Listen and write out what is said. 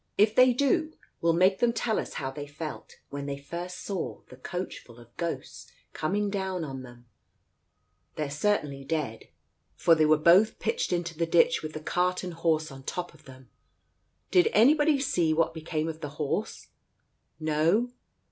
If they do, we'll make them tell us how they felt, when they first saw the coachful of ghosts coming down on them. They're certainly dead, for they were both pitched into Digitized by Google THE COACH 143 the ditch with the cart and horse on top of them. Did anybody see what became of the horse ? No.